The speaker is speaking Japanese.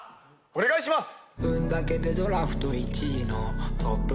お願いします！